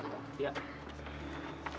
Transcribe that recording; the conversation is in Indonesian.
nggak ada apa apa